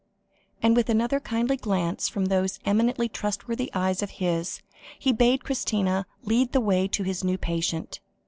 And with another kindly glance from those eminently trustworthy eyes of his, he bade Christina lead the way to his new patient.